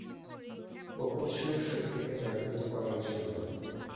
ওকোৎসুর শক্তিকে জাগ্রত করার জন্য।